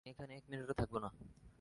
আমি এখানে এক মিনিটও থাকবো না।